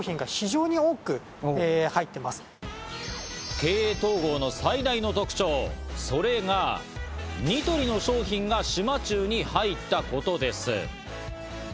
経営統合の最大の特徴、それがニトリの商品が島忠に入ったことです。